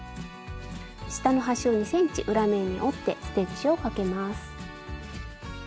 下の端を２ｃｍ裏面に折ってステッチをかけます。